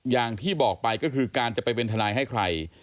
อย่างที่บอกไปก็คือการจะไปเป็นทนายให้ใคร